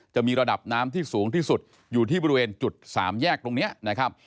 จะมีระดับน้ำที่สูงที่สุดอยู่ที่บริเวณจุดสามแยกตรงนี้นะครับ